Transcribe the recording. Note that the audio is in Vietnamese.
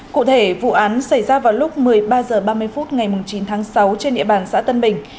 cụ thể vụ án xảy ra vào lúc một mươi ba h ba mươi phút ngày chín tháng sáu trên địa bàn xã tân bình